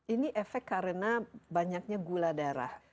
ini efek karena banyaknya gula darah